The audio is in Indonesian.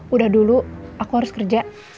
udah dulu aku harus kerja